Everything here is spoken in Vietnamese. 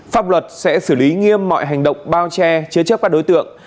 pháp luật sẽ xử lý nghiêm mọi hành động bao che chế chấp các đối tượng